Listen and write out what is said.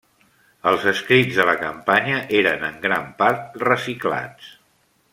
Els escrits de la campanya eren en gran part reciclats.